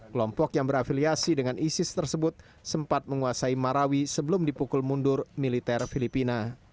kelompok yang berafiliasi dengan isis tersebut sempat menguasai marawi sebelum dipukul mundur militer filipina